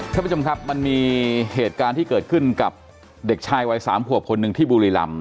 ท่านผู้ชมครับมันมีเหตุการณ์ที่เกิดขึ้นกับเด็กชายวัย๓ขวบคนหนึ่งที่บุรีรำ